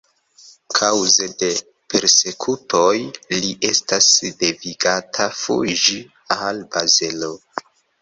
Kaŭze de persekutoj li estas devigata fuĝi al Bazelo.